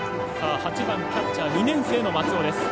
８番、キャッチャー２年生の松尾。